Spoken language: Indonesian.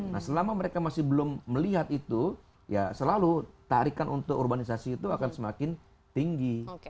nah selama mereka masih belum melihat itu ya selalu tarikan untuk urbanisasi itu akan semakin tinggi